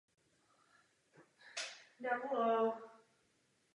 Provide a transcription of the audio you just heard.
Výstavbu provázely bohaté archeologické nálezy dokumentující středověkou zástavbu.